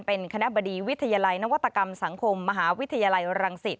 เป็นคณะบดีวิทยาลัยนวัตกรรมสังคมมหาวิทยาลัยรังสิต